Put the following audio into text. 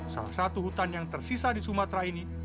salah satu hutan yang tersisa di sumatera ini